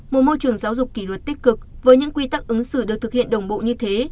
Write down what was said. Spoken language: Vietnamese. một môi trường giáo dục kỷ luật tích cực với những quy tắc ứng xử được thực hiện đồng bộ như thế